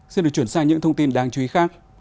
xin được chuyển sang những thông tin đáng chú ý khác